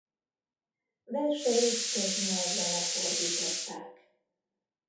Verseit több nyelvre lefordították.